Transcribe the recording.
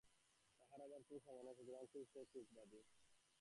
তাহার অভাব খুব সামান্য, সুতরাং সে খুব সুখবাদী।